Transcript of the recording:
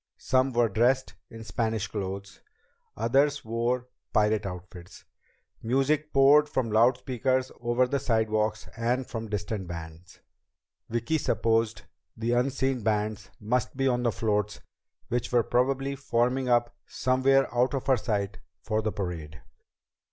Some were dressed in Spanish clothes, others wore pirate outfits. Music poured from loud speakers over the sidewalks and from distant bands. Vicki supposed the unseen bands must be on the floats which were probably forming up somewhere out of her sight for the parade.